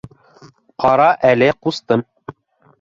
— Ҡарале, ҡустым.